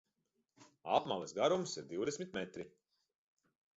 Apmales garums ir divdesmit metri.